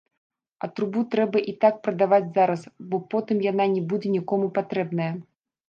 А трубу трэба і так прадаваць зараз, бо потым яна не будзе нікому патрэбная.